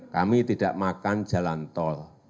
kami tidak makan jalan tol